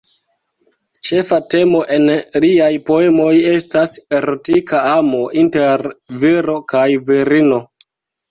Ĉefa temo en liaj poemoj estas erotika amo inter viro kaj virino.